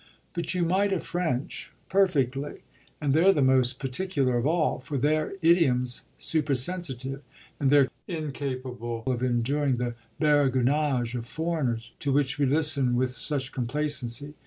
But you might a French, perfectly, and they're the most particular of all; for their idiom's supersensitive and they're incapable of enduring the baragouinage of foreigners, to which we listen with such complacency.